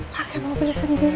pakai mobil sendiri